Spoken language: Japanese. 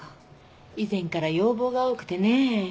以前から要望が多くてね。